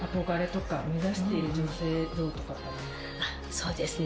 そうですね。